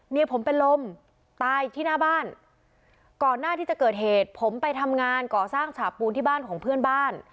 เมียผมเป็นลมตายที่หน้าบ้านก่อนหน้าที่จะเกิดเหตุผมไปทำงานก่อสร้างฉาบปูนที่บ้านของเพื่อนบ้าน